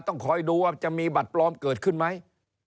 ต้องคอยดูว่าจะมีบัตรปลอมเกิดขึ้นไหม